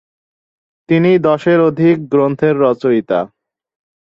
তিনি দশের অধিক গ্রন্থের রচয়িতা।